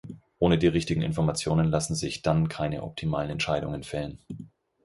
Ohne die richtigen Informationen lassen sich dann keine optimalen Entscheidungen fällen.